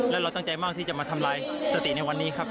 และเราตั้งใจมากที่จะมาทำลายสติในวันนี้ครับ